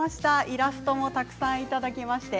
イラストもたくさんいただきました。